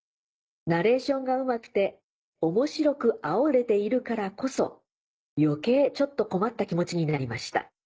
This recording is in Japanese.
ナレーションがうまくて面白くあおれているからこそ余計ちょっと困った気持ちになりました。